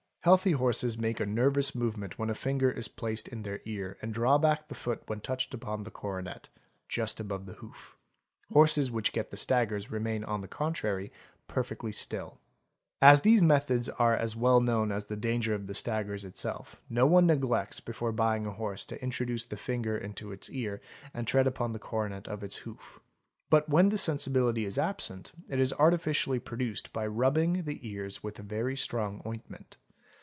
Healthy horses make a nervous movement when a finger is placed in their ear and draw back the foot when touched upon the coronet (just above the hoof). Horses which get the staggers remain on the contrary perfectly still. i AMD Aad, ll ries DIETER ORR 07) ATL Ree ERS 814 CHEATING AND FRAUD As these methods are as well known as the danger of the staggers itself, no one neglects before buying a horse to introduce the finger into its ear and tread upon the coronet of its hoof. But, when this sensibility is absent, it is artificially produced by rubbing the ears with very strong ointment.